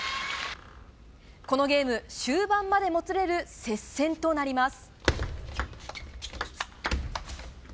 このゲーム、終盤までもつれる接戦となります。